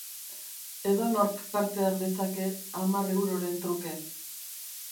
Edonork parte har dezake hamar euroren truke.